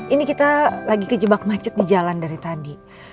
ini kita lagi kejebak macet di jalan dari tadi